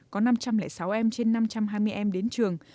có năm trăm linh sáu em trên năm trăm hai mươi em đến trường